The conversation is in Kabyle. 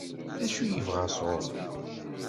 D acu i yebɣa sɣur-m?